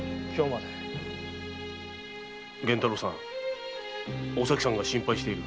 源太郎さんお咲さんが心配している。